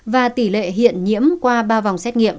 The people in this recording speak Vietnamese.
và tỷ lệ hiện nhiễm qua ba vòng xét nghiệm